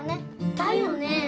・だよね